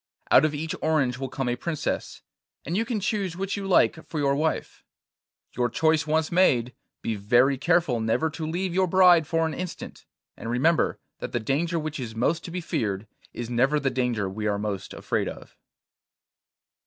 Out of each orange will come a princess, and you can choose which you like for your wife. Your choice once made, be very careful never to leave your bride for an instant, and remember that the danger which is most to be feared is never the danger we are most afraid of.